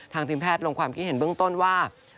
ทีมแพทย์ลงความคิดเห็นเบื้องต้นว่า